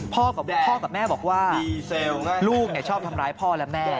พ่อกับแม่บอกว่าลูกชอบทำร้ายพ่อและแม่